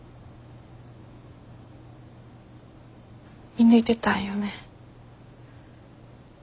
見抜いてたんよね。